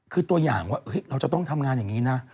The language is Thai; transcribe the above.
คือตัวอย่างว่าเราจะต้องทำงานอย่างนี้นะ